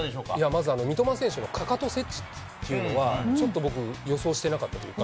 まず三笘選手のかかと接地っていうのは、ちょっと僕、予想してなかったというか。